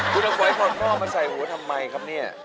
คุณฝอยคัดหม้อมาใส่หูทำไมครับนี่